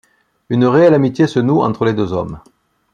Une réelle amitié se noue entre les deux hommes.